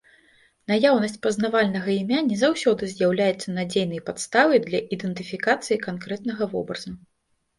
Наяўнасць пазнавальнага імя не заўсёды з'яўляецца надзейнай падставай для ідэнтыфікацыі канкрэтнага вобраза.